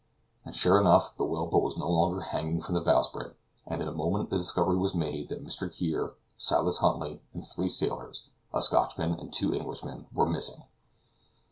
And sure enough the whale boat was no longer hanging from the bowsprit; and in a moment the discovery was made that Mr. Kear, Silas Huntly, and three sailors, a Scotchman and two Englishmen, were missing.